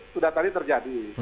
sudah tadi terjadi